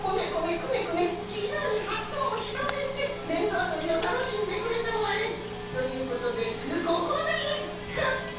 くねくねじゆうにはっそうをひろげてねんどあそびをたのしんでくれたまえ！ということでここでいっく！